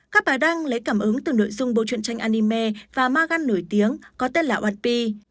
các bài đăng lấy cảm ứng từ nội dung bộ truyện tranh anime và ma gan nổi tiếng có tên là một p